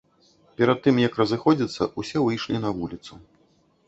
Перад тым як разыходзіцца, усе выйшлі на вуліцу.